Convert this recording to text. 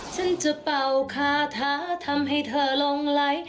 ฉันจะเป่าคาถาทำให้เธอลงไหล